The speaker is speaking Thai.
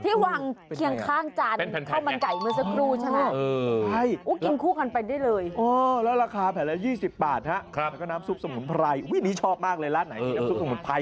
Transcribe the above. ที่วางเคียงข้างจานเข้ามันไก่เมียร์สกรูใช่ไหมอ่อใช่